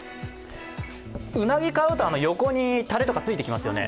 うなぎ買うと横にタレとかついてきますよね。